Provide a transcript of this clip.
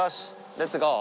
レッツゴー！